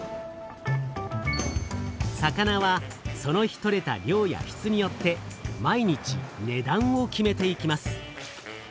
魚はその日とれた量やしつによって毎日「値段」を決めていきます。